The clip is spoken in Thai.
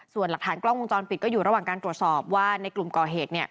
ส่วนหลักฐานกล้องวงจรปิดก็อยู่ระหว่างการตรวจสอบว่าในกลุ่มก่อเหตุ